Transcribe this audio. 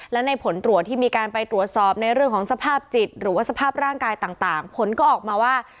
และในผลตรวจที่มีการไปตรวจสอบในเรื่องของสภาพจิตหรือว่าสภาพร่างกายต่างผลก็ออกมาว่า